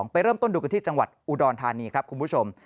ไปเริ่มต้นดูกันที่จังหวัดอุดรธานีครับคุณผู้ชม